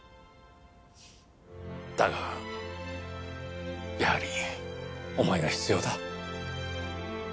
だがやはりお前が必要だ。